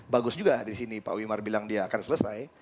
bagus juga disini pak wimar bilang dia akan selesai